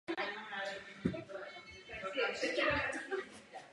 Instrumentální hudbu ke třetímu dílu složil Howard Shore.